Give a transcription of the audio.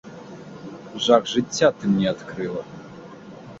Жах жыцця ты мне адкрыла.